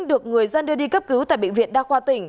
được người dân đưa đi cấp cứu tại bệnh viện đa khoa tỉnh